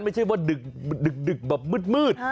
ไม่ใช่ว่าดึกแบบมืด